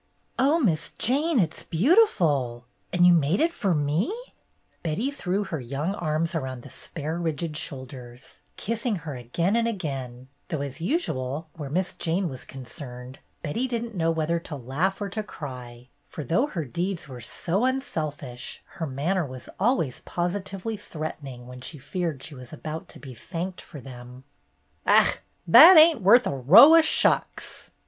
"Oh, Miss Jane, it 's beautiful! And you made it for me 1 " Betty threw her young arms around the spare, rigid shoulders, kissing her again and again ; though as usual where Miss Jane was concerned, Betty didn't know whether to laugh or to cry, for though her deeds were so unselfish, her manner was always positively threatening when she feared she was about to be thanked for them. "Ach, that ain't worth a row o' shucks."